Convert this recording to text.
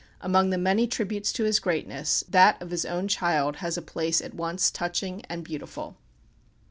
Among the many tributes to his greatness, that of his own child has a place at once touching and beautiful.